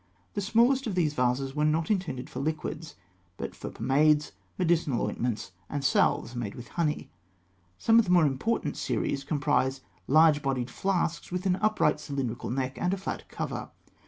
The smallest of these vases were not intended for liquids, but for pomades, medicinal ointments, and salves made with honey. Some of the more important series comprise large bodied flasks, with an upright cylindrical neck and a flat cover (fig. 219).